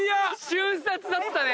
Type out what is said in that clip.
瞬殺だったね